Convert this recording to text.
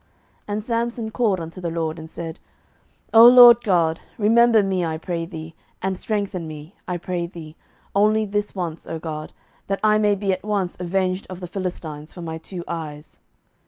07:016:028 And Samson called unto the LORD, and said, O Lord God, remember me, I pray thee, and strengthen me, I pray thee, only this once, O God, that I may be at once avenged of the Philistines for my two eyes.